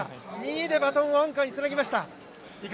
２位でバトンをアンカーにつなぎました。